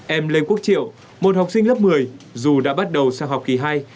em lê quốc triệu một học sinh lớp một mươi dù đã bắt đầu sang học kỳ hai